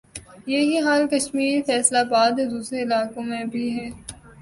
یہ ہی حال کشمیر، فیصل آباد اور دوسرے علاقوں میں ھے